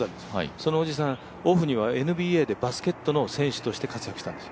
そのおじさん、オフにはＭＢＡでバスケットの選手として活躍してたんです。